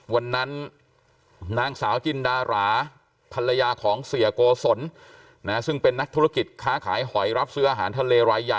นางสาวจินดาราภรรยาของเสียโกศลซึ่งเป็นนักธุรกิจค้าขายหอยรับซื้ออาหารทะเลรายใหญ่